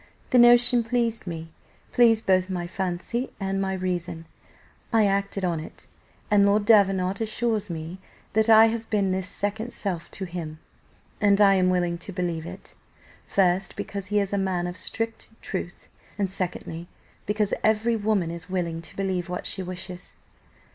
The notion pleased me pleased both my fancy and my reason; I acted on it, and Lord Davenant assures me that I have been this second self to him, and I am willing to believe it, first because he is a man of strict truth, and secondly, because every woman is willing to believe what she wishes."